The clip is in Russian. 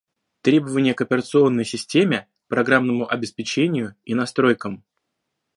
Требования к операционной системе, программному обеспечению и настройкам